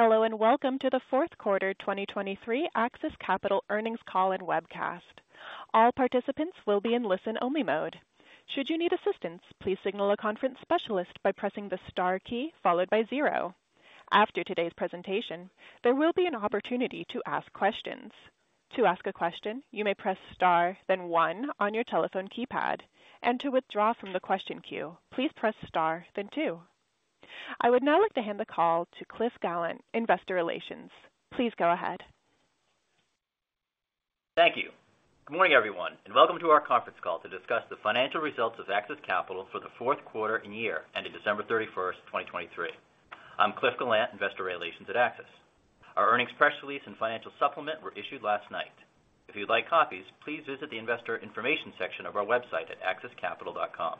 Hello, and welcome to the fourth quarter 2023 AXIS Capital earnings call and webcast. All participants will be in listen-only mode. Should you need assistance, please signal a conference specialist by pressing the star key followed by zero. After today's presentation, there will be an opportunity to ask questions. To ask a question, you may press star, then one on your telephone keypad, and to withdraw from the question queue, please press star, then two. I would now like to hand the call to Cliff Gallant, Investor Relations. Please go ahead. Thank you. Good morning, everyone, and welcome to our conference call to discuss the financial results of AXIS Capital for the fourth quarter and year, ending December 31, 2023. I'm Cliff Gallant, Investor Relations at AXIS. Our earnings press release and financial supplement were issued last night. If you'd like copies, please visit the Investor Information section of our website at axiscapital.com.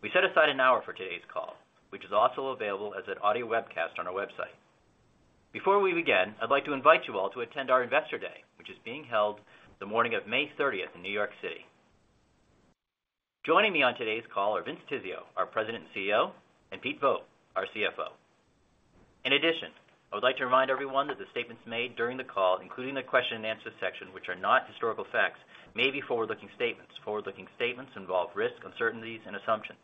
We set aside an hour for today's call, which is also available as an audio webcast on our website. Before we begin, I'd like to invite you all to attend our Investor Day, which is being held the morning of May 30th in New York City. Joining me on today's call are Vince Tizzio, our President and CEO, and Pete Vogt, our CFO. In addition, I would like to remind everyone that the statements made during the call, including the question and answer section, which are not historical facts, may be forward-looking statements. Forward-looking statements involve risks, uncertainties, and assumptions.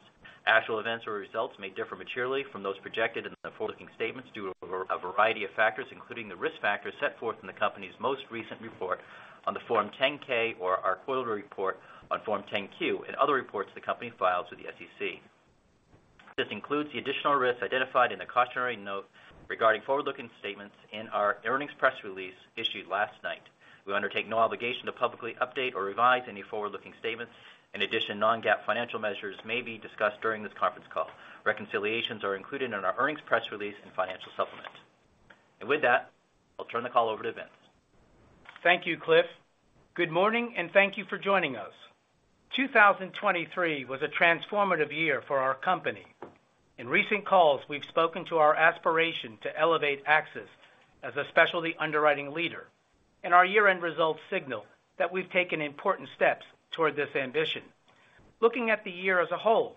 Actual events or results may differ materially from those projected in the forward-looking statements due to a variety of factors, including the risk factors set forth in the company's most recent report on the Form 10-K or our quarterly report on Form 10-Q and other reports the company files with the SEC. This includes the additional risks identified in the cautionary note regarding forward-looking statements in our earnings press release issued last night. We undertake no obligation to publicly update or revise any forward-looking statements. In addition, non-GAAP financial measures may be discussed during this conference call. Reconciliations are included in our earnings press release and financial supplement. With that, I'll turn the call over to Vince. Thank you, Cliff. Good morning, and thank you for joining us. 2023 was a transformative year for our company. In recent calls, we've spoken to our aspiration to elevate AXIS as a specialty underwriting leader, and our year-end results signal that we've taken important steps toward this ambition. Looking at the year as a whole,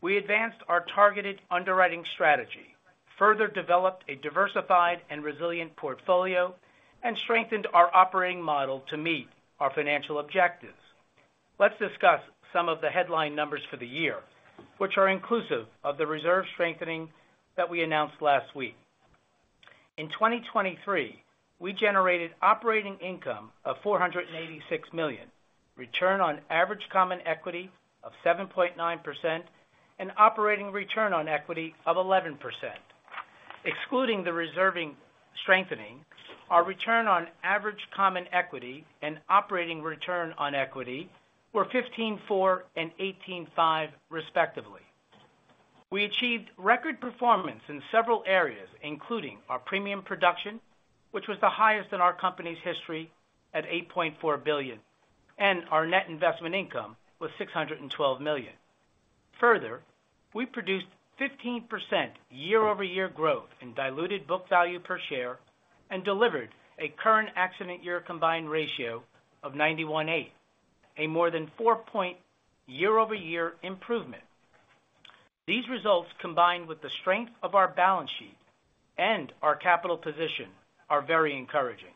we advanced our targeted underwriting strategy, further developed a diversified and resilient portfolio, and strengthened our operating model to meet our financial objectives. Let's discuss some of the headline numbers for the year, which are inclusive of the reserve strengthening that we announced last week. In 2023, we generated operating income of $486 million, return on average common equity of 7.9%, and operating return on equity of 11%. Excluding the reserve strengthening, our return on average common equity and operating return on equity were 15.4% and 18.5%, respectively. We achieved record performance in several areas, including our premium production, which was the highest in our company's history at $8.4 billion, and our net investment income was $612 million. Further, we produced 15% year-over-year growth in diluted book value per share and delivered a current accident year combined ratio of 91.8, a more than 4-point year-over-year improvement. These results, combined with the strength of our balance sheet and our capital position, are very encouraging.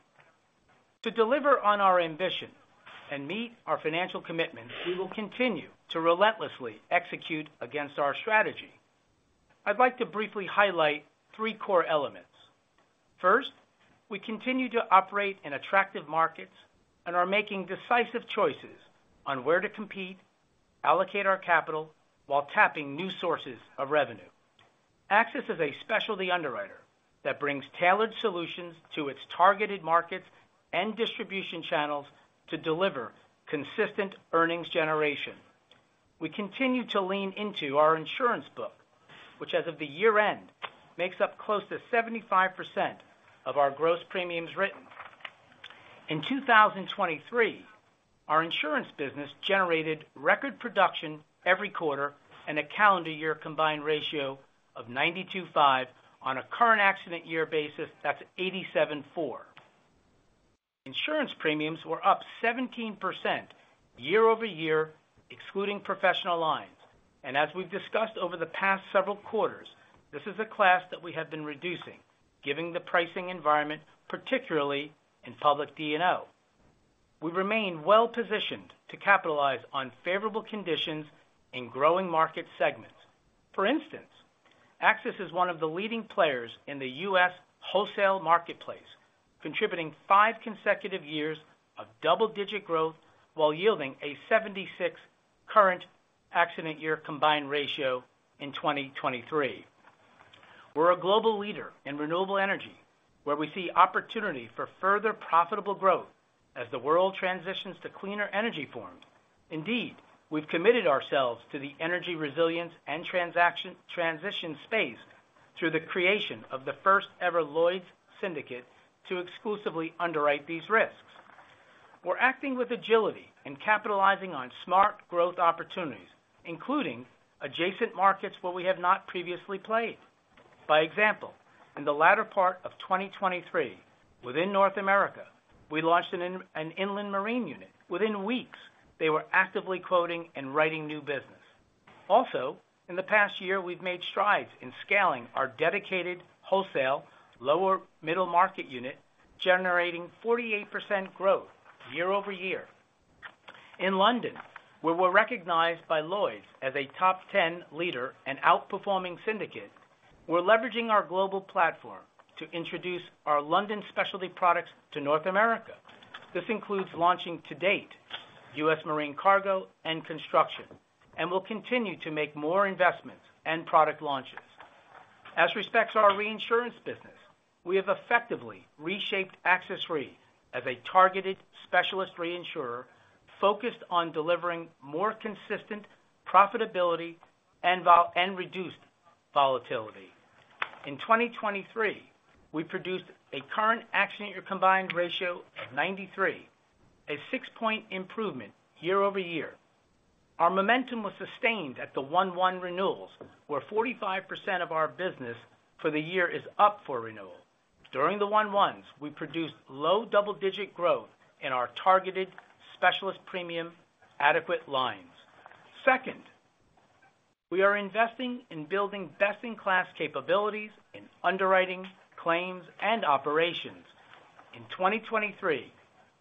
To deliver on our ambition and meet our financial commitment, we will continue to relentlessly execute against our strategy. I'd like to briefly highlight three core elements. First, we continue to operate in attractive markets and are making decisive choices on where to compete, allocate our capital while tapping new sources of revenue. AXIS is a specialty underwriter that brings tailored solutions to its targeted markets and distribution channels to deliver consistent earnings generation. We continue to lean into our insurance book, which as of the year-end, makes up close to 75% of our gross premiums written. In 2023, our insurance business generated record production every quarter and a calendar year combined ratio of 92.5. On a current accident year basis, that's 87.4. Insurance premiums were up 17% year-over-year, excluding professional lines. And as we've discussed over the past several quarters, this is a class that we have been reducing, given the pricing environment, particularly in public D&O. We remain well-positioned to capitalize on favorable conditions in growing market segments. For instance, AXIS is one of the leading players in the U.S. wholesale marketplace, contributing five consecutive years of double-digit growth while yielding a 76 current accident year combined ratio in 2023. We're a global leader in renewable energy, where we see opportunity for further profitable growth as the world transitions to cleaner energy forms. Indeed, we've committed ourselves to the energy resilience and transition space through the creation of the first-ever Lloyd's Syndicate to exclusively underwrite these risks. We're acting with agility and capitalizing on smart growth opportunities, including adjacent markets where we have not previously played. By example, in the latter part of 2023, within North America, we launched an inland marine unit. Within weeks, they were actively quoting and writing new business. Also, in the past year, we've made strides in scaling our dedicated wholesale lower middle market unit, generating 48% growth year over year. In London, where we're recognized by Lloyd's as a top 10 leader and outperforming syndicate, we're leveraging our global platform to introduce our London specialty products to North America. This includes launching, to date, US Marine cargo and construction, and we'll continue to make more investments and product launches. As respects our reinsurance business, we have effectively reshaped AXIS Re as a targeted specialist reinsurer, focused on delivering more consistent profitability and volatility and reduced volatility. In 2023, we produced a current accident year combined ratio of 93, a 6-point improvement year over year. Our momentum was sustained at the 1/1 renewals, where 45% of our business for the year is up for renewal. During the 1/1s, we produced low double-digit growth in our targeted specialist premium, adequate lines. Second, we are investing in building best-in-class capabilities in underwriting, claims, and operations. In 2023,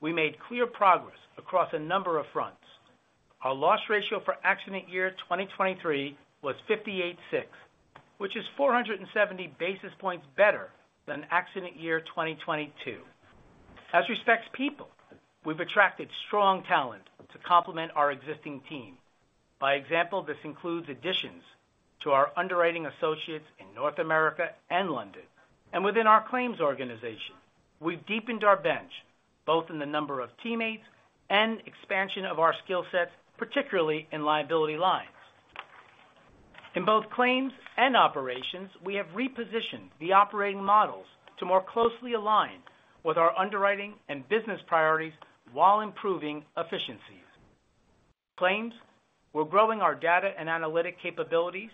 we made clear progress across a number of fronts. Our loss ratio for accident year 2023 was 58.6, which is 470 basis points better than accident year 2022. As respects people, we've attracted strong talent to complement our existing team. By example, this includes additions to our underwriting associates in North America and London, and within our claims organization, we've deepened our bench, both in the number of teammates and expansion of our skill sets, particularly in liability lines. In both claims and operations, we have repositioned the operating models to more closely align with our underwriting and business priorities while improving efficiencies. Claims, we're growing our data and analytic capabilities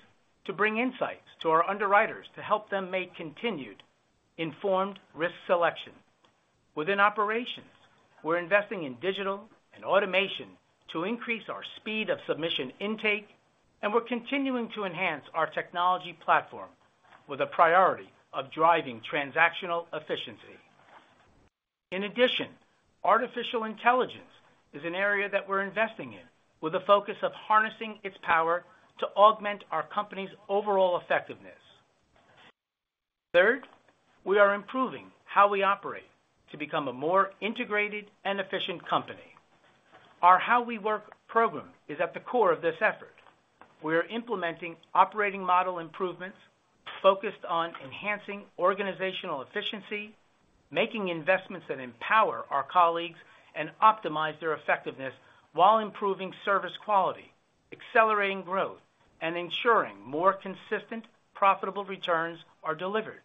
to bring insights to our underwriters to help them make continued informed risk selection. Within operations, we're investing in digital and automation to increase our speed of submission intake, and we're continuing to enhance our technology platform with a priority of driving transactional efficiency. In addition, artificial intelligence is an area that we're investing in, with a focus of harnessing its power to augment our company's overall effectiveness. Third, we are improving how we operate to become a more integrated and efficient company. Our How We Work program is at the core of this effort. We are implementing operating model improvements focused on enhancing organizational efficiency, making investments that empower our colleagues, and optimize their effectiveness while improving service quality, accelerating growth, and ensuring more consistent, profitable returns are delivered.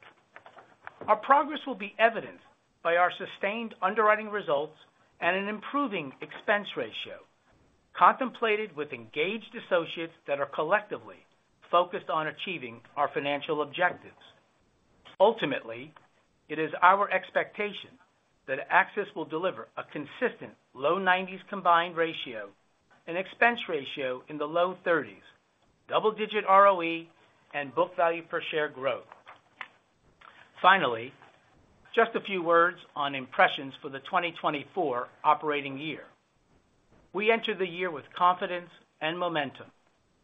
Our progress will be evidenced by our sustained underwriting results and an improving expense ratio, contemplated with engaged associates that are collectively focused on achieving our financial objectives. Ultimately, it is our expectation that AXIS will deliver a consistent low 90s combined ratio, an expense ratio in the low 30s, double-digit ROE, and book value per share growth. Finally, just a few words on impressions for the 2024 operating year. We entered the year with confidence and momentum,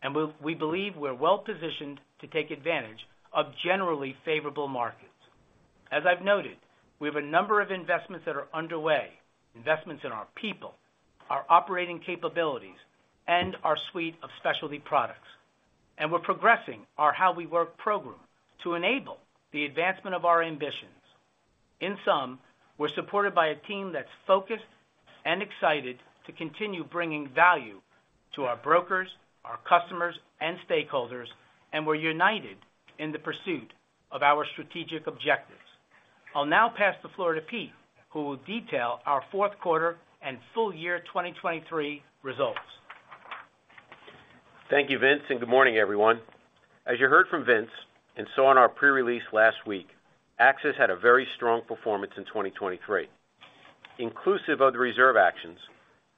and we, we believe we're well-positioned to take advantage of generally favorable markets. As I've noted, we have a number of investments that are underway, investments in our people, our operating capabilities, and our suite of specialty products, and we're progressing our How We Work program to enable the advancement of our ambitions. In sum, we're supported by a team that's focused and excited to continue bringing value to our brokers, our customers, and stakeholders, and we're united in the pursuit of our strategic objectives. I'll now pass the floor to Pete, who will detail our fourth quarter and full year 2023 results. Thank you, Vince, and good morning, everyone. As you heard from Vince and saw in our pre-release last week, AXIS had a very strong performance in 2023. Inclusive of the reserve actions,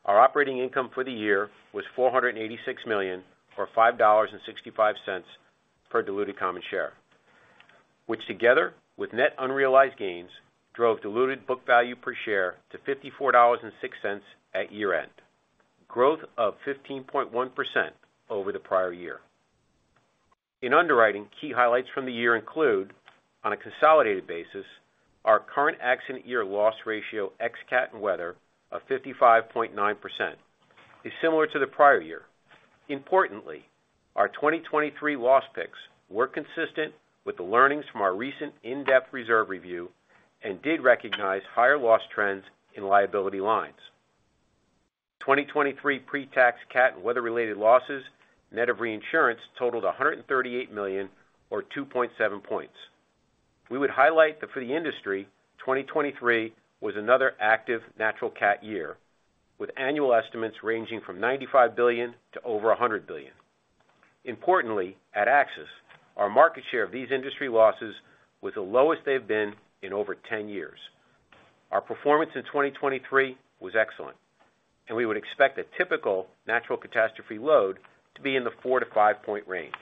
our operating income for the year was $486 million, or $5.65 per diluted common share, which, together with net unrealized gains, drove diluted book value per share to $54.06 at year-end, growth of 15.1% over the prior year. In underwriting, key highlights from the year include, on a consolidated basis, our current accident year loss ratio ex-cat and weather of 55.9% is similar to the prior year. Importantly, our 2023 loss picks were consistent with the learnings from our recent in-depth reserve review and did recognize higher loss trends in liability lines. 2023 pre-tax cat and weather-related losses, net of reinsurance, totaled $138 million, or 2.7 points. We would highlight that for the industry, 2023 was another active natural cat year, with annual estimates ranging from $95 billion to over $100 billion. Importantly, at AXIS, our market share of these industry losses was the lowest they've been in over 10 years. Our performance in 2023 was excellent, and we would expect a typical natural catastrophe load to be in the 4 to 5-point range.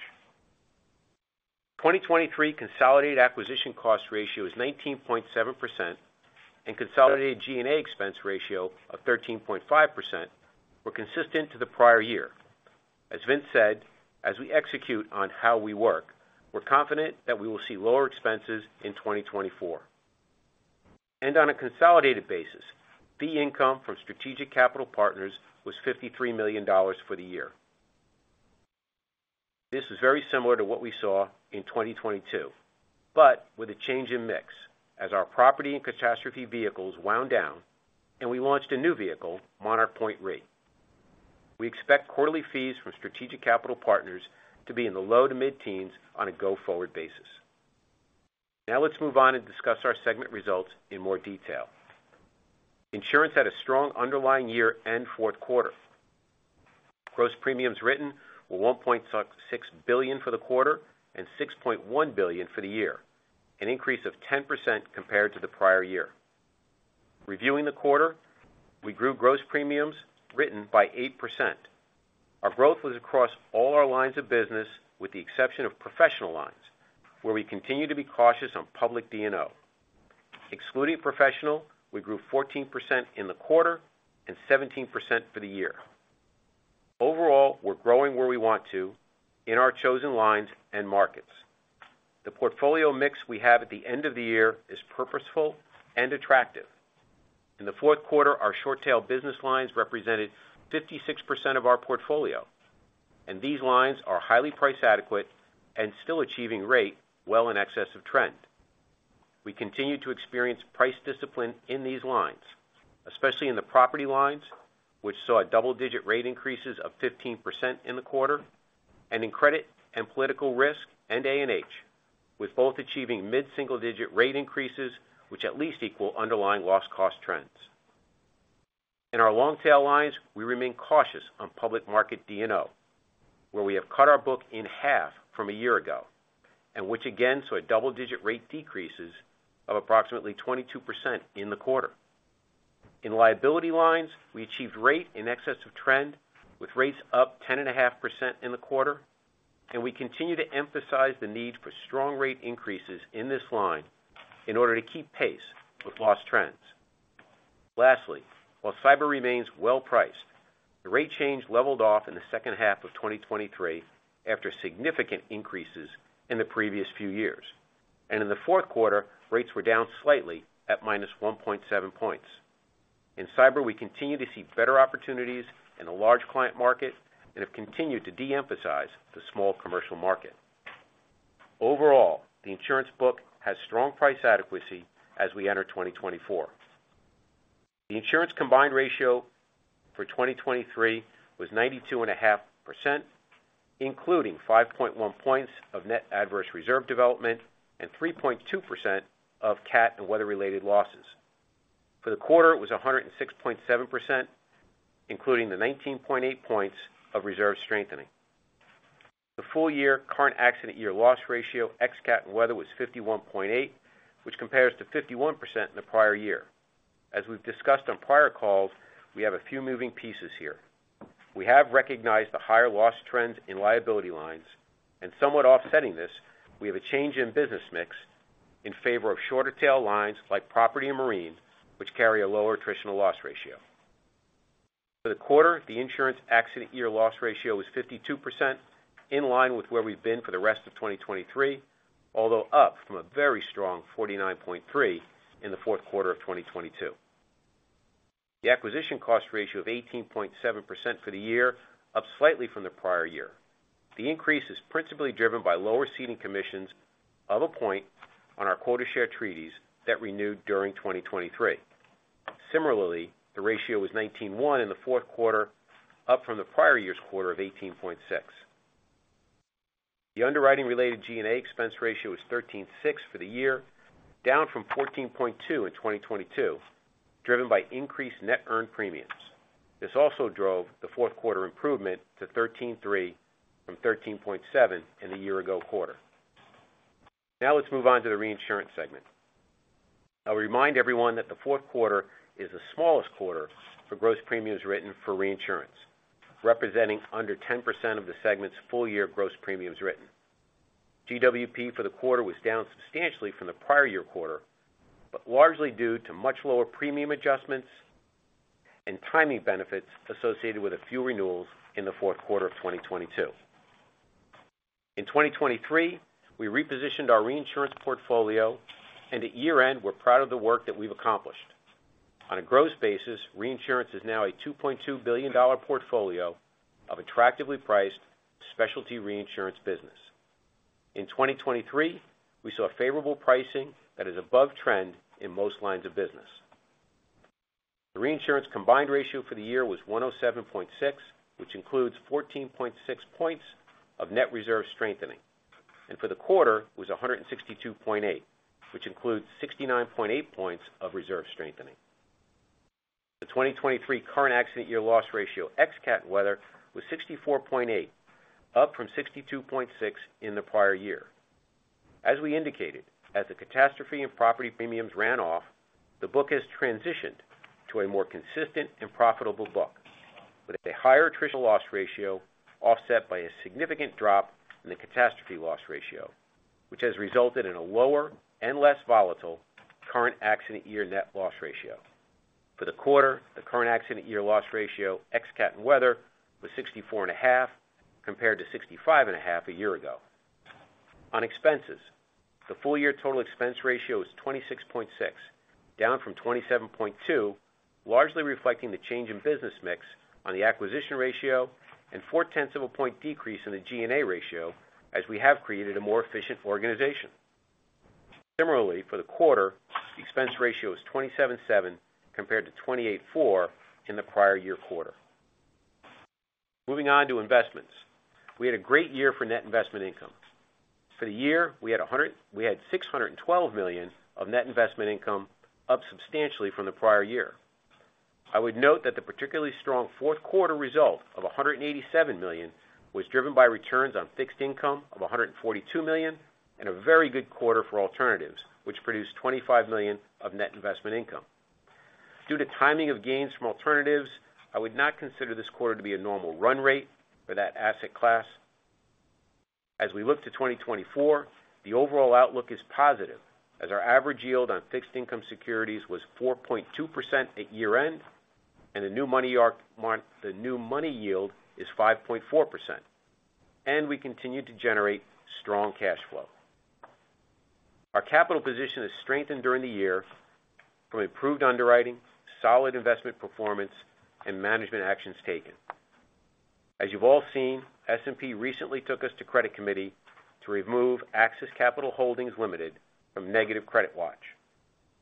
2023 consolidated acquisition cost ratio is 19.7% and consolidated G&A expense ratio of 13.5% were consistent to the prior year. As Vince said, as we execute on How We Work, we're confident that we will see lower expenses in 2024. On a consolidated basis, fee income from strategic capital partners was $53 million for the year. This is very similar to what we saw in 2022, but with a change in mix, as our property and catastrophe vehicles wound down and we launched a new vehicle, Monarch Point Re. We expect quarterly fees from strategic capital partners to be in the low to mid-teens on a go-forward basis. Now let's move on and discuss our segment results in more detail. Insurance had a strong underlying year and fourth quarter. Gross premiums written were $1.6 billion for the quarter and $6.1 billion for the year, an increase of 10% compared to the prior year. Reviewing the quarter, we grew gross premiums written by 8%. Our growth was across all our lines of business, with the exception of professional lines, where we continue to be cautious on public D&O. Excluding professional, we grew 14% in the quarter and 17% for the year. Overall, we're growing where we want to in our chosen lines and markets. The portfolio mix we have at the end of the year is purposeful and attractive. In the fourth quarter, our short tail business lines represented 56% of our portfolio, and these lines are highly price adequate and still achieving rate well in excess of trend. We continue to experience price discipline in these lines, especially in the property lines, which saw a double-digit rate increases of 15% in the quarter, and in credit and political risk and A&H, with both achieving mid-single digit rate increases, which at least equal underlying loss cost trends. In our long tail lines, we remain cautious on public market D&O, where we have cut our book in half from a year ago, and which again, saw a double-digit rate decreases of approximately 22% in the quarter. In liability lines, we achieved rate in excess of trend, with rates up 10.5% in the quarter, and we continue to emphasize the need for strong rate increases in this line in order to keep pace with loss trends. Lastly, while cyber remains well-priced, the rate change leveled off in the second half of 2023 after significant increases in the previous few years. And in the fourth quarter, rates were down slightly at -1.7 points. In cyber, we continue to see better opportunities in the large client market and have continued to de-emphasize the small commercial market. Overall, the insurance book has strong price adequacy as we enter 2024. The insurance combined ratio for 2023 was 92.5%, including 5.1 points of net adverse reserve development and 3.2% of cat and weather-related losses. For the quarter, it was 106.7%, including the 19.8 points of reserve strengthening. The full year current accident year loss ratio, ex-cat and weather, was 51.8%, which compares to 51% in the prior year. As we've discussed on prior calls, we have a few moving pieces here. We have recognized the higher loss trends in liability lines, and somewhat offsetting this, we have a change in business mix in favor of shorter tail lines like property and marine, which carry a lower attritional loss ratio. For the quarter, the insurance accident year loss ratio was 52%, in line with where we've been for the rest of 2023, although up from a very strong 49.3% in the fourth quarter of 2022. The acquisition cost ratio of 18.7% for the year, up slightly from the prior year. The increase is principally driven by lower ceding commissions of a point on our quota share treaties that renewed during 2023. Similarly, the ratio was 19.1 in the fourth quarter, up from the prior year's quarter of 18.6. The underwriting-related G&A expense ratio was 13.6 for the year, down from 14.2 in 2022, driven by increased net earned premiums. This also drove the fourth quarter improvement to 13.3 from 13.7 in the year ago quarter. Now, let's move on to the reinsurance segment. I'll remind everyone that the fourth quarter is the smallest quarter for gross premiums written for reinsurance, representing under 10% of the segment's full year gross premiums written. GWP for the quarter was down substantially from the prior year quarter, but largely due to much lower premium adjustments and timing benefits associated with a few renewals in the fourth quarter of 2022. In 2023, we repositioned our reinsurance portfolio, and at year-end, we're proud of the work that we've accomplished. On a gross basis, reinsurance is now a $2.2 billion portfolio of attractively priced specialty reinsurance business. In 2023, we saw favorable pricing that is above trend in most lines of business. The reinsurance combined ratio for the year was 107.6, which includes 14.6 points of net reserve strengthening, and for the quarter, it was 162.8, which includes 69.8 points of reserve strengthening. The 2023 current accident year loss ratio, ex-cat and weather, was 64.8, up from 62.6 in the prior year. As we indicated, as the catastrophe and property premiums ran off, the book has transitioned to a more consistent and profitable book, with a higher attritional loss ratio offset by a significant drop in the catastrophe loss ratio, which has resulted in a lower and less volatile current accident year net loss ratio. For the quarter, the current accident year loss ratio, ex-cat and weather, was 64.5, compared to 65.5 a year ago. On expenses, the full year total expense ratio is 26.6%, down from 27.2%, largely reflecting the change in business mix on the acquisition ratio and 0.4-point decrease in the G&A ratio, as we have created a more efficient organization. Similarly, for the quarter, the expense ratio is 27.7%, compared to 28.4% in the prior year quarter. Moving on to investments. We had a great year for net investment income. For the year, we had $612 million of net investment income, up substantially from the prior year. I would note that the particularly strong fourth quarter result of $187 million was driven by returns on fixed income of $142 million, and a very good quarter for alternatives, which produced $25 million of net investment income. Due to timing of gains from alternatives, I would not consider this quarter to be a normal run rate for that asset class. As we look to 2024, the overall outlook is positive, as our average yield on fixed income securities was 4.2% at year-end, and the new money yield is 5.4%, and we continue to generate strong cash flow. Our capital position has strengthened during the year from improved underwriting, solid investment performance, and management actions taken. As you've all seen, S&P recently took us to credit committee to remove AXIS Capital Holdings Limited from negative credit watch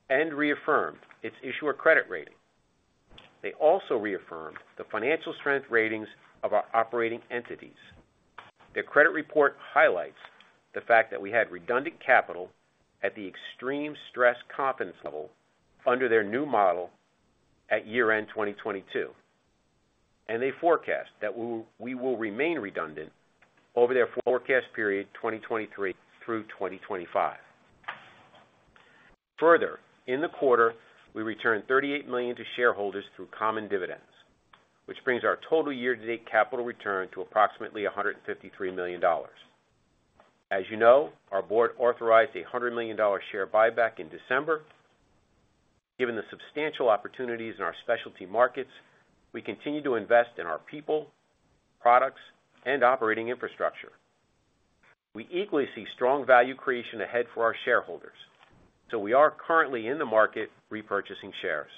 and reaffirmed its issuer credit rating. They also reaffirmed the financial strength ratings of our operating entities. Their credit report highlights the fact that we had redundant capital at the extreme stress competence level under their new model at year-end 2022, and they forecast that we will remain redundant over their forecast period, 2023 through 2025. Further, in the quarter, we returned $38 million to shareholders through common dividends, which brings our total year-to-date capital return to approximately $153 million. As you know, our board authorized a $100 million share buyback in December. Given the substantial opportunities in our specialty markets, we continue to invest in our people, products, and operating infrastructure. We equally see strong value creation ahead for our shareholders, so we are currently in the market repurchasing shares.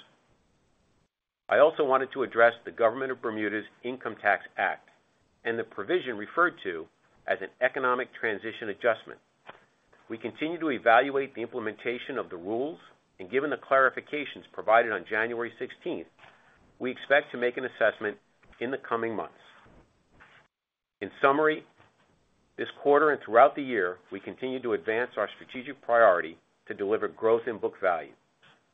I also wanted to address the government of Bermuda's Income Tax Act, and the provision referred to as an Economic Transition Adjustment. We continue to evaluate the implementation of the rules, and given the clarifications provided on January sixteenth, we expect to make an assessment in the coming months. In summary, this quarter and throughout the year, we continued to advance our strategic priority to deliver growth in book value.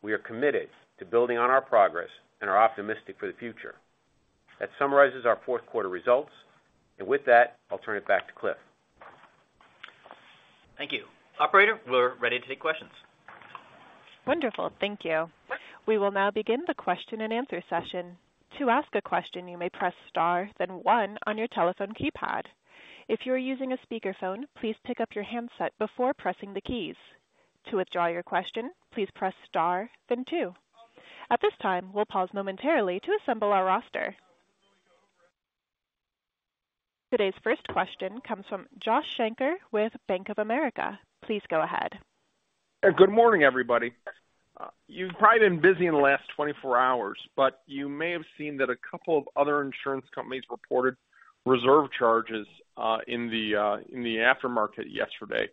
We are committed to building on our progress and are optimistic for the future. That summarizes our fourth quarter results, and with that, I'll turn it back to Cliff. Thank you. Operator, we're ready to take questions. Wonderful, thank you. We will now begin the question-and-answer session. To ask a question, you may press star, then one on your telephone keypad. If you are using a speakerphone, please pick up your handset before pressing the keys. To withdraw your question, please press star then two. At this time, we'll pause momentarily to assemble our roster. Today's first question comes from Josh Shanker with Bank of America. Please go ahead. Good morning, everybody. You've probably been busy in the last 24 hours, but you may have seen that a couple of other insurance companies reported reserve charges in the aftermarket yesterday.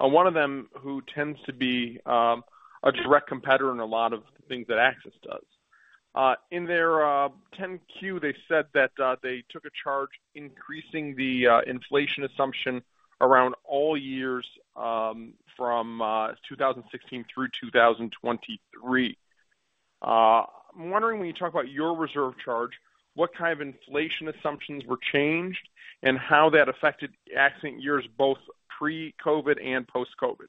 One of them, who tends to be a direct competitor in a lot of the things that Axis does. In their 10-Q, they said that they took a charge, increasing the inflation assumption around all years from 2016 through 2023. I'm wondering, when you talk about your reserve charge, what kind of inflation assumptions were changed and how that affected accident years, both pre-COVID and post-COVID?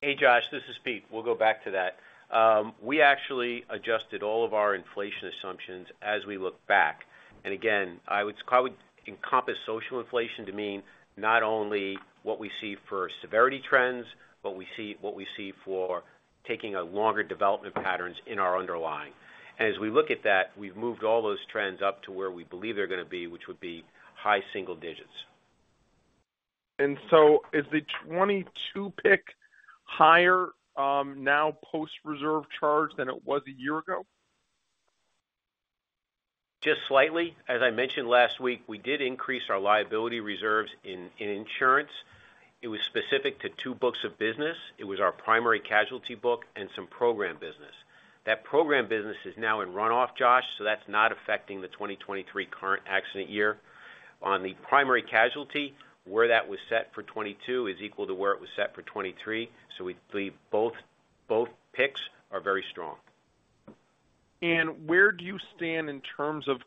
Hey, Josh, this is Pete. We'll go back to that. We actually adjusted all of our inflation assumptions as we look back. And again, I would probably encompass social inflation to mean not only what we see for severity trends, but what we see for taking a longer development patterns in our underlying. And as we look at that, we've moved all those trends up to where we believe they're gonna be, which would be high single digits. Is the 2022 pick higher now post-reserve charge than it was a year ago? Just slightly. As I mentioned last week, we did increase our liability reserves in insurance. It was specific to two books of business. It was our primary casualty book and some program business. That program business is now in run-off, Josh, so that's not affecting the 2023 current accident year. On the primary casualty, where that was set for 2022 is equal to where it was set for 2023. So we believe both picks are very strong. Where do you stand in terms of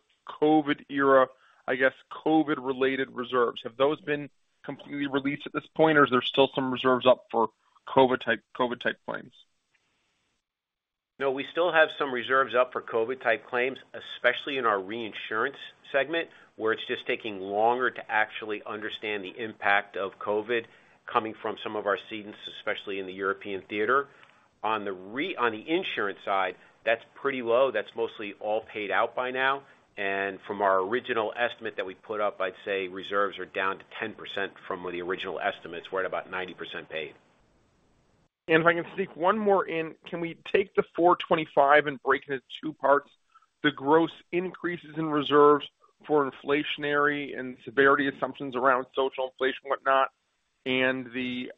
COVID era, I guess, COVID-related reserves? Have those been completely released at this point, or is there still some reserves up for COVID-type, COVID-type claims? No, we still have some reserves up for COVID-type claims, especially in our reinsurance segment, where it's just taking longer to actually understand the impact of COVID coming from some of our cedents, especially in the European theater. On the re on insured side, that's pretty low. That's mostly all paid out by now. From our original estimate that we put up, I'd say reserves are down to 10% from the original estimates. We're at about 90% paid. If I can sneak one more in, can we take the 425 and break it into two parts? The gross increases in reserves for inflationary and severity assumptions around social inflation, whatnot, and the,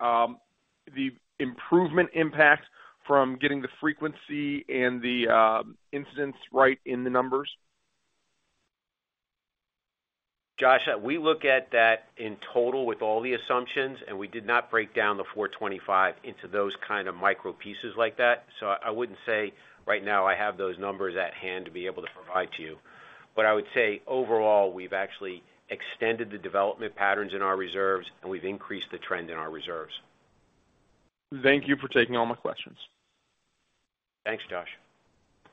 the improvement impact from getting the frequency and the, the incidence right in the numbers. Josh, we look at that in total with all the assumptions, and we did not break down the 425 into those kind of micro pieces like that. So I wouldn't say right now I have those numbers at hand to be able to provide to you. But I would say, overall, we've actually extended the development patterns in our reserves, and we've increased the trend in our reserves. Thank you for taking all my questions. Thanks, Josh.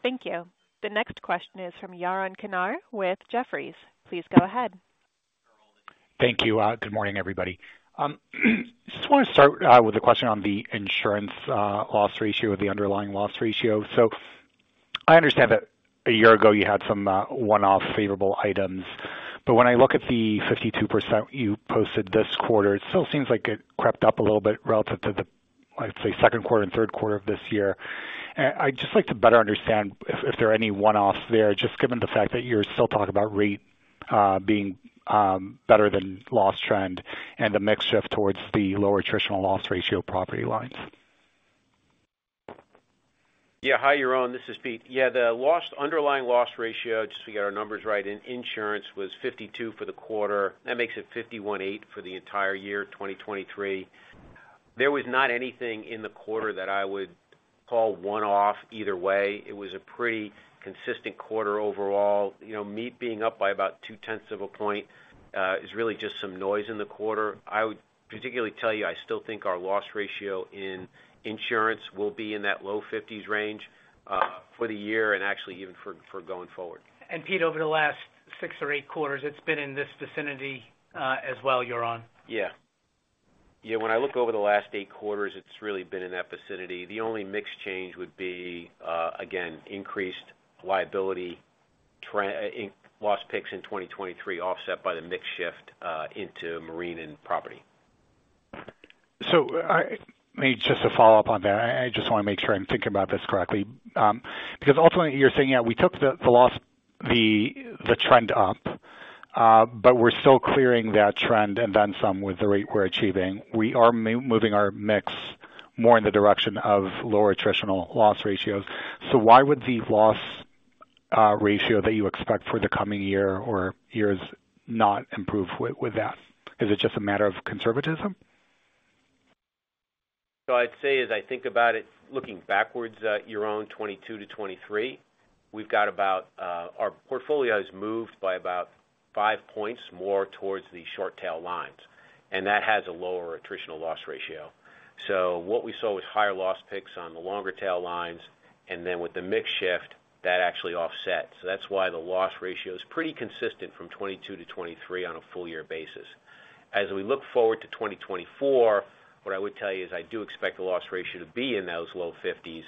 Thank you. The next question is from Yaron Kinar with Jefferies. Please go ahead. Thank you. Good morning, everybody. Just want to start with a question on the insurance loss ratio or the underlying loss ratio. So I understand that a year ago you had some one-off favorable items, but when I look at the 52% you posted this quarter, it still seems like it crept up a little bit relative to the, let's say, second quarter and third quarter of this year. I'd just like to better understand if there are any one-offs there, just given the fact that you're still talking about rate being better than loss trend and the mix shift towards the lower attritional loss ratio property lines. Yeah. Hi, Yaron, this is Pete. Yeah, the underlying loss ratio, just to get our numbers right, in insurance, was 52% for the quarter. That makes it 51.8% for the entire year, 2023. There was not anything in the quarter that I would call one-off either way. It was a pretty consistent quarter overall. You know, me being up by about two-tenths of a point is really just some noise in the quarter. I would particularly tell you, I still think our loss ratio in insurance will be in that low 50s range for the year and actually even for going forward. Pete, over the last six or eight quarters, it's been in this vicinity, as well, Yaron. Yeah. Yeah, when I look over the last eight quarters, it's really been in that vicinity. The only mix change would be, again, increased liability trend in loss picks in 2023, offset by the mix shift into marine and property. So maybe just to follow up on that, I just want to make sure I'm thinking about this correctly. Because ultimately, you're saying that we took the loss trend up, but we're still clearing that trend and then some with the rate we're achieving. We are moving our mix more in the direction of lower attritional loss ratios. So why would the loss ratio that you expect for the coming year or years not improve with that? Is it just a matter of conservatism? So I'd say, as I think about it, looking backwards, Yaron, 2022 to 2023, we've got about—our portfolio has moved by about five points more towards the short tail lines, and that has a lower attritional loss ratio. So what we saw was higher loss picks on the longer tail lines, and then with the mix shift, that actually offset. So that's why the loss ratio is pretty consistent from 2022 to 2023 on a full year basis. As we look forward to 2024, what I would tell you is I do expect the loss ratio to be in those low 50s.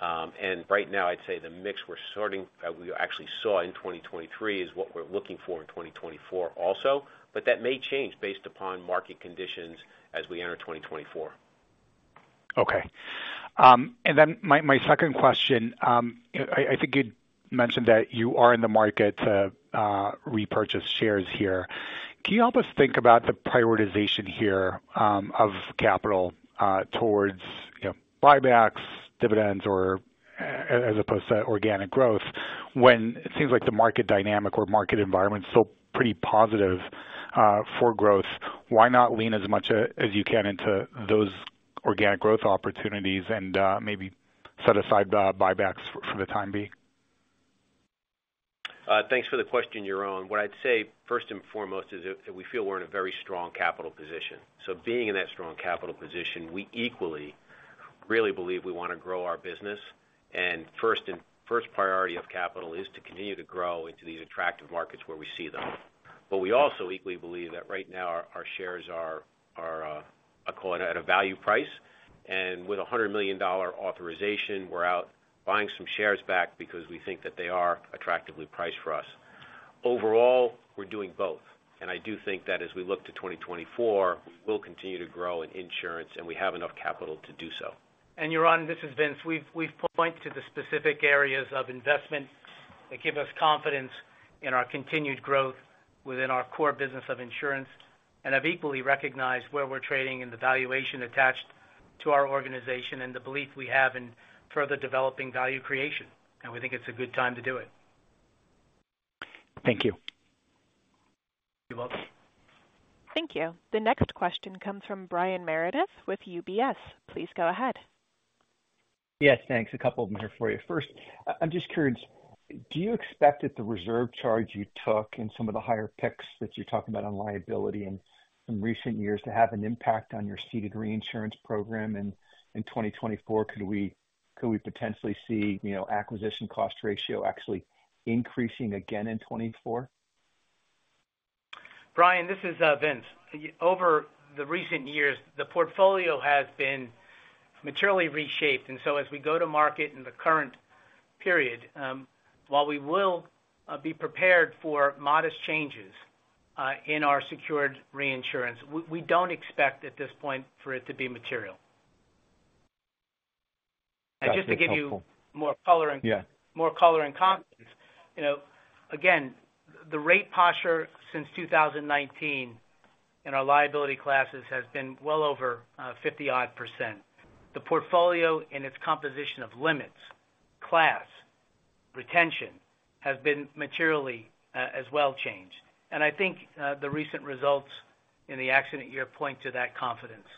And right now, I'd say the mix we're sorting, that we actually saw in 2023 is what we're looking for in 2024 also, but that may change based upon market conditions as we enter 2024. Okay. And then my second question, I think you mentioned that you are in the market to repurchase shares here. Can you help us think about the prioritization here of capital towards, you know, buybacks, dividends, or as opposed to organic growth, when it seems like the market dynamic or market environment is still pretty positive for growth? Why not lean as much as you can into those organic growth opportunities and maybe set aside the buybacks for the time being? Thanks for the question, Yaron. What I'd say, first and foremost, is that we feel we're in a very strong capital position. So being in that strong capital position, we equally really believe we want to grow our business, and first priority of capital is to continue to grow into these attractive markets where we see them. But we also equally believe that right now, our shares are at a value price, and with a $100 million authorization, we're out buying some shares back because we think that they are attractively priced for us. Overall, we're doing both, and I do think that as we look to 2024, we'll continue to grow in insurance, and we have enough capital to do so. Yaron, this is Vince. We've pointed to the specific areas of investment. They give us confidence in our continued growth within our core business of insurance and have equally recognized where we're trading and the valuation attached to our organization and the belief we have in further developing value creation, and we think it's a good time to do it. Thank you. You're welcome. Thank you. The next question comes from Brian Meredith with UBS. Please go ahead. Yes, thanks. A couple of them here for you. First, I'm just curious, do you expect that the reserve charge you took in some of the higher picks that you're talking about on liability in recent years to have an impact on your ceded reinsurance program in 2024? Could we potentially see, you know, acquisition cost ratio actually increasing again in 2024? Brian, this is Vince. Over the recent years, the portfolio has been materially reshaped, and so as we go to market in the current period, while we will be prepared for modest changes in our secured reinsurance, we don't expect at this point for it to be material. Gotcha. Helpful. Just to give you more color and- Yeah. More color and confidence, you know, again, the rate posture since 2019 in our liability classes has been well over 50%+. The portfolio in its composition of limits, class, retention, has been materially, as well changed, and I think, the recent results in the accident year point to that confidence.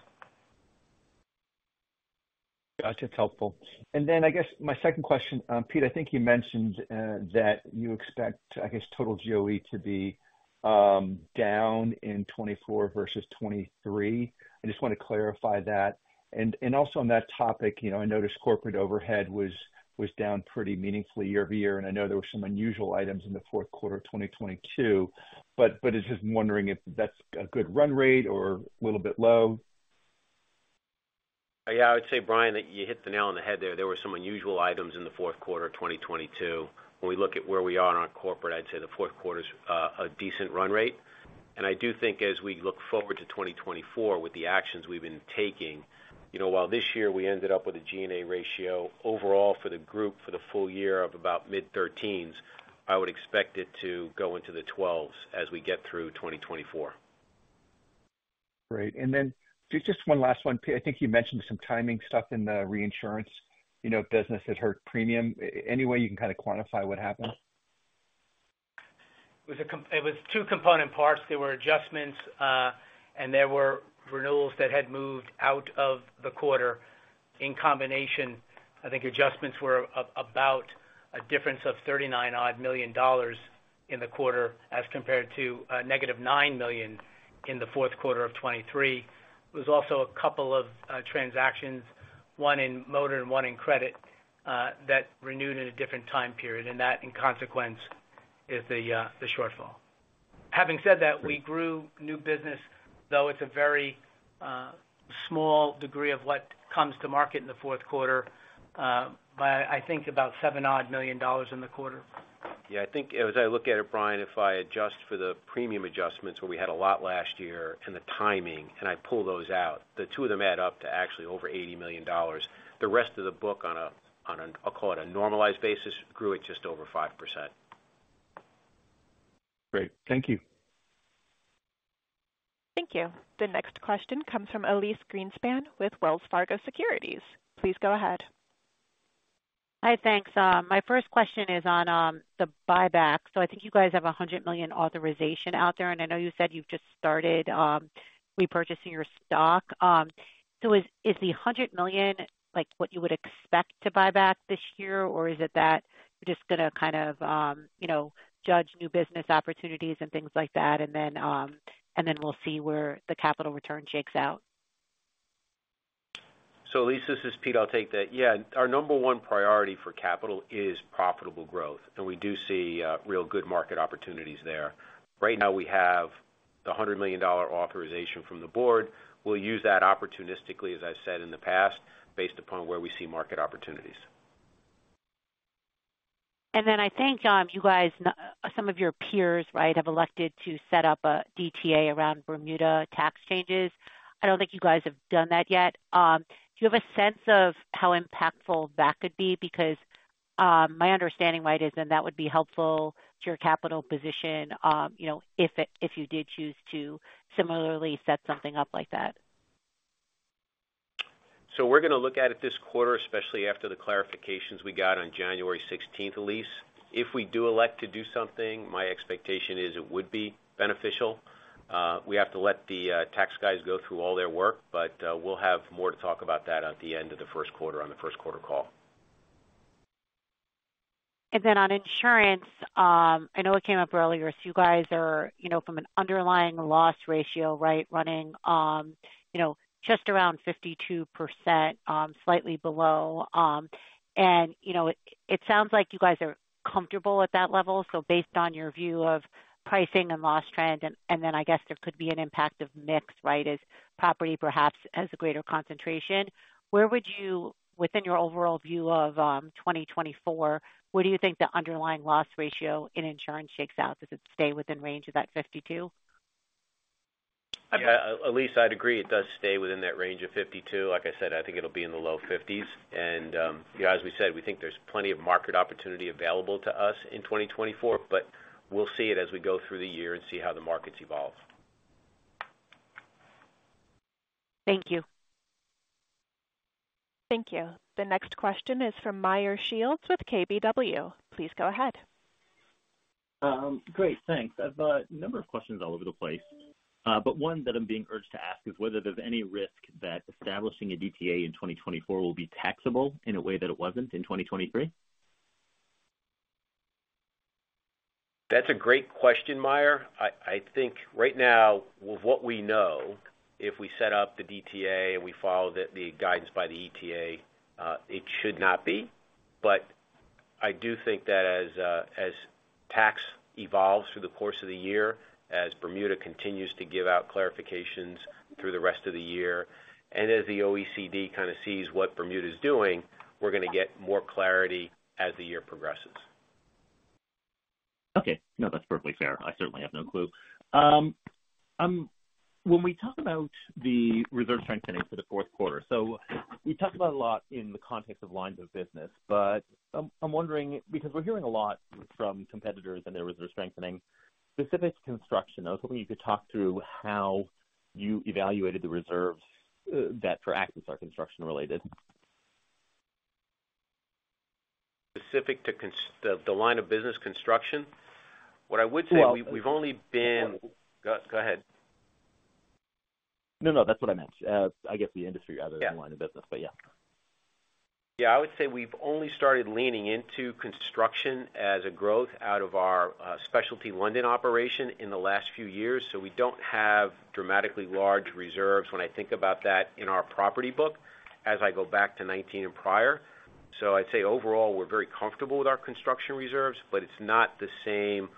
That's helpful. And then I guess my second question, Pete, I think you mentioned that you expect, I guess, total GOE to be down in 2024 versus 2023. I just want to clarify that. And also on that topic, you know, I noticed corporate overhead was down pretty meaningfully year-over-year, and I know there were some unusual items in the fourth quarter of 2022, but I was just wondering if that's a good run rate or a little bit low? Yeah, I would say, Brian, that you hit the nail on the head there. There were some unusual items in the fourth quarter of 2022. When we look at where we are on our corporate, I'd say the fourth quarter's a decent run rate. And I do think as we look forward to 2024, with the actions we've been taking, you know, while this year we ended up with a G&A ratio overall for the group for the full year of about mid-13s, I would expect it to go into the 12s as we get through 2024. Great. And then just one last one, Pete. I think you mentioned some timing stuff in the reinsurance, you know, business that hurt premium. Any way you can kind of quantify what happened? It was two component parts. There were adjustments, and there were renewals that had moved out of the quarter. In combination, I think adjustments were about a difference of $39 million in the quarter, as compared to -$9 million in the fourth quarter of 2023. There was also a couple of transactions, one in motor and one in credit, that renewed in a different time period, and that, in consequence, is the shortfall. Having said that, we grew new business, though it's a very small degree of what comes to market in the fourth quarter, by I think about $7+ million in the quarter. Yeah, I think as I look at it, Brian, if I adjust for the premium adjustments, where we had a lot last year and the timing, and I pull those out, the two of them add up to actually over $80 million. The rest of the book on a, I'll call it a normalized basis, grew at just over 5%. Great. Thank you. Thank you. The next question comes from Elyse Greenspan with Wells Fargo Securities. Please go ahead. Hi, thanks. My first question is on the buyback. So I think you guys have a $100 million authorization out there, and I know you said you've just started repurchasing your stock. So is the $100 million, like, what you would expect to buy back this year, or is it that you're just going to kind of, you know, judge new business opportunities and things like that, and then, and then we'll see where the capital return shakes out? So Elise, this is Pete. I'll take that. Yeah. Our number one priority for capital is profitable growth, and we do see real good market opportunities there. Right now we have the $100 million authorization from the board. We'll use that opportunistically, as I've said in the past, based upon where we see market opportunities. Then I think, you guys, some of your peers, right, have elected to set up a DTA around Bermuda tax changes. I don't think you guys have done that yet. Do you have a sense of how impactful that could be? Because, my understanding, right, is then that would be helpful to your capital position, you know, if you did choose to similarly set something up like that. So we're going to look at it this quarter, especially after the clarifications we got on January s16th, Elise. If we do elect to do something, my expectation is it would be beneficial. We have to let the tax guys go through all their work, but we'll have more to talk about that at the end of the first quarter, on the first quarter call. Then on insurance, I know it came up earlier. So you guys are, you know, from an underlying loss ratio, right, running, you know, just around 52%, slightly below. And, you know, it, it sounds like you guys are comfortable at that level. So based on your view of pricing and loss trend, and, and then I guess there could be an impact of mix, right, as property perhaps has a greater concentration. Where would you, within your overall view of 2024, where do you think the underlying loss ratio in insurance shakes out? Does it stay within range of that 52%? Elyse, I'd agree. It does stay within that range of 52. Like I said, I think it'll be in the low 50s. And, you know, as we said, we think there's plenty of market opportunity available to us in 2024, but we'll see it as we go through the year and see how the markets evolve. Thank you. Thank you. The next question is from Meyer Shields with KBW. Please go ahead. Great, thanks. I've got a number of questions all over the place, but one that I'm being urged to ask is whether there's any risk that establishing a DTA in 2024 will be taxable in a way that it wasn't in 2023? That's a great question, Meyer. I think right now, with what we know, if we set up the DTA and we follow the guidance by the ETA, it should not be. But I do think that as tax evolves through the course of the year, as Bermuda continues to give out clarifications through the rest of the year, and as the OECD kind of sees what Bermuda's doing, we're gonna get more clarity as the year progresses. Okay. No, that's perfectly fair. I certainly have no clue. When we talk about the reserve strengthening for the fourth quarter, so we talked about a lot in the context of lines of business, but I'm, I'm wondering, because we're hearing a lot from competitors and their reserve strengthening, specific to construction, I was hoping you could talk through how you evaluated the reserves that for AXIS are construction related? Specific to the line of business construction? What I would say- Well- We've only been... Go ahead. No, no, that's what I meant. I guess the industry rather- Yeah. than the line of business, but yeah. Yeah, I would say we've only started leaning into construction as a growth out of our specialty lending operation in the last few years, so we don't have dramatically large reserves when I think about that in our property book as I go back to 2019 and prior. So I'd say overall, we're very comfortable with our construction reserves, but it's not the same,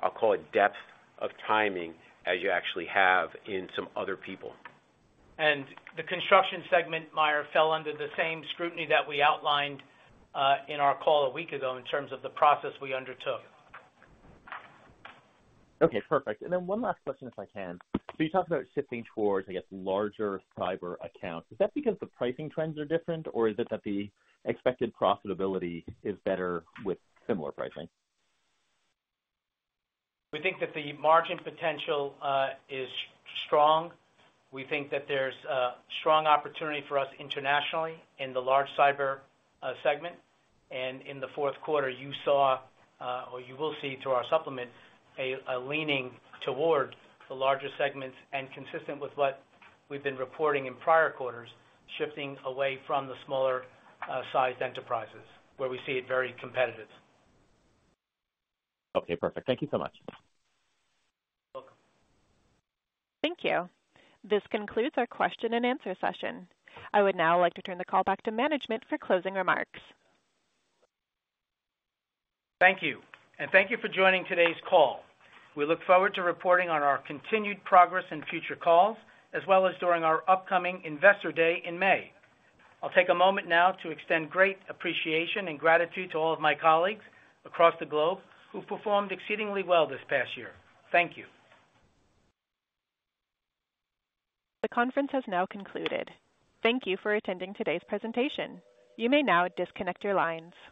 I'll call it depth of timing, as you actually have in some other people. The construction segment, Meyer, fell under the same scrutiny that we outlined in our call a week ago in terms of the process we undertook. Okay, perfect. And then one last question, if I can. So you talked about shifting towards, I guess, larger cyber accounts. Is that because the pricing trends are different, or is it that the expected profitability is better with similar pricing? We think that the margin potential is strong. We think that there's a strong opportunity for us internationally in the large cyber segment. In the fourth quarter, you saw or you will see through our supplement, a leaning toward the larger segments, and consistent with what we've been reporting in prior quarters, shifting away from the smaller sized enterprises where we see it very competitive. Okay, perfect. Thank you so much. Welcome. Thank you. This concludes our question and answer session. I would now like to turn the call back to management for closing remarks. Thank you, and thank you for joining today's call. We look forward to reporting on our continued progress in future calls, as well as during our upcoming Investor Day in May. I'll take a moment now to extend great appreciation and gratitude to all of my colleagues across the globe who performed exceedingly well this past year. Thank you. The conference has now concluded. Thank you for attending today's presentation. You may now disconnect your lines.